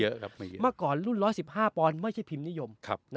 เมื่อก่อนรุ่น๑๑๕ปอนด์ไม่ใช่พิมพ์นิยม